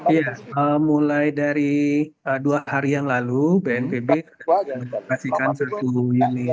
iya mulai dari dua hari yang lalu bnpb memastikan suatu yang berharga yang cukup besar